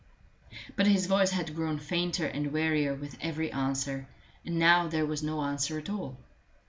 But his voice had grown fainter and wearier with every answer, and now there was no answer at all.